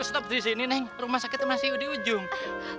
stop di sini neng rumah sakit masih di ujung